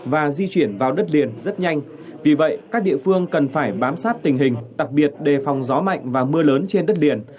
và di chuyển vào đất liền rất nhanh vì vậy các địa phương cần phải bám sát tình hình đặc biệt đề phòng gió mạnh và mưa lớn trên đất liền